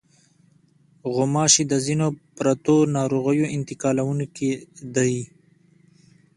غوماشې د ځینو پرتو ناروغیو انتقالوونکې دي.